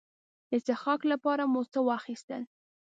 د څښاک لپاره مو څه واخیستل.